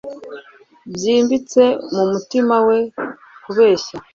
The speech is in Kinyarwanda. Byimbitse mumutima we kubeshya